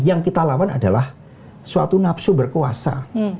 yang kita lawan adalah suatu nafsu berkuasa